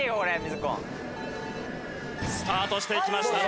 スタートしていきました。